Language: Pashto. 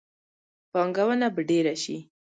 پانګونه به ډیره شي.